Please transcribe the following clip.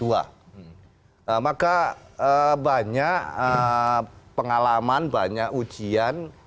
jadi ini juga banyak pengalaman banyak ujian